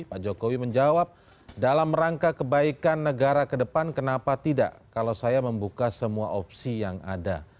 pak jokowi menjawab dalam rangka kebaikan negara ke depan kenapa tidak kalau saya membuka semua opsi yang ada